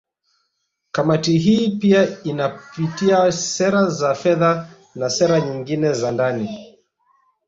Kamati hii pia inapitia sera za fedha na sera nyingine za ndani